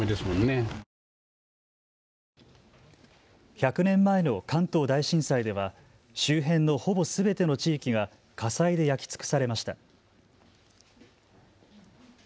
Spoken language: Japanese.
１００年前の関東大震災では周辺のほぼすべての地域が火災で焼き尽くされました。